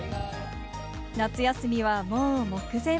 夏休みはもう目前。